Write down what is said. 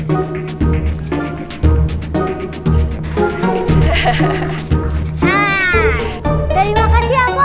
ambil ambil ambil ambil ambil ambil butet